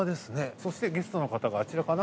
そしてゲストの方があちらかな。